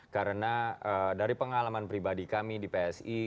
karena dari pengalaman pribadi kami di psi